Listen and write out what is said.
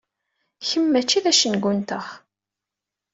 Kemm mačči d acengu-nteɣ.